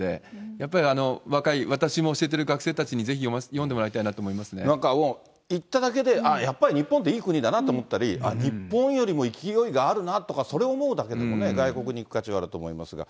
やっぱり若い、私も教えている学生たちにぜひ読んでもらいたなんか行っただけで、ああやっぱり日本っていい国だなって思ったり、あっ、日本よりも勢いがあるなとか、それを思うだけでも外国に行く価値はあると思いますが。